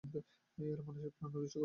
এরা মানুষের প্রাণ অতিষ্ঠ করে দিয়েছিল।